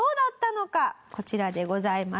こちらでございます。